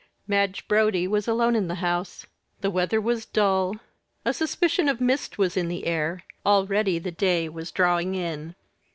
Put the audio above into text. Madge Brodie was alone in the house. The weather was dull, a suspicion of mist was in the air, already the day was drawing in.